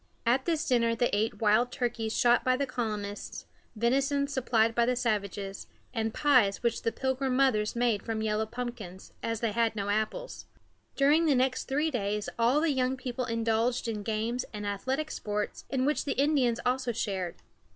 At this dinner they ate wild turkeys shot by the colonists, venison supplied by the savages, and pies which the Pilgrim mothers made from yellow pumpkins, as they had no apples. During the next three days all the young people indulged in games and athletic sports, in which the Indians also shared.